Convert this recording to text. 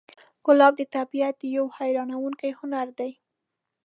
ګلاب د طبیعت یو حیرانوونکی هنر دی.